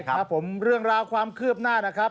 ครับผมเรื่องราวความคืบหน้านะครับ